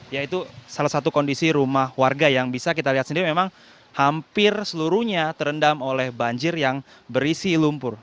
ya itu salah satu kondisi rumah warga yang bisa kita lihat sendiri memang hampir seluruhnya terendam oleh banjir yang berisi lumpur